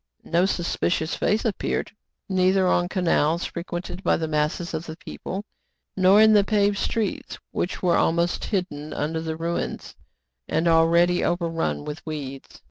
No suspicious face appeared, neither on the KIN'FO BECOMES CELEBRATED. 1 19 canals frequented by the masses of the people, nor in the paved streets, which were almost hidden under the ruins, and already overrun with weeds.